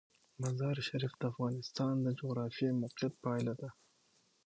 مزارشریف د افغانستان د جغرافیایي موقیعت پایله ده.